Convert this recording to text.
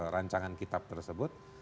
rancangan kitab tersebut